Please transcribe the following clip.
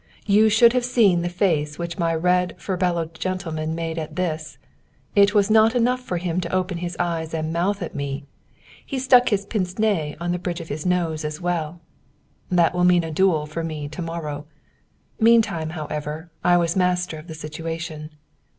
You should have seen the face which my red furbelowed gentleman made at this. It was not enough for him to open his eyes and mouth at me; he stuck his pince nez on the bridge of his nose as well. That will mean a duel for me to morrow. Meantime, however, I was master of the situation.